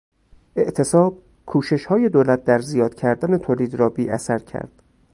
اعتصاب، کوششهای دولت در زیاد کردن تولید را بی اثر کرد.